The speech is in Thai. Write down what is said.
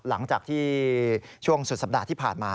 หลังจากที่ช่วงสุดสัปดาห์ที่ผ่านมา